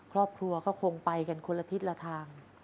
ครอบครัวก็คงไปกันคนละทิศละทาง